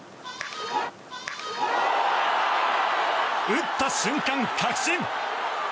打った瞬間、確信！